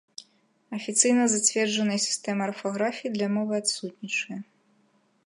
Афіцыйна зацверджаная сістэма арфаграфіі для мовы адсутнічае.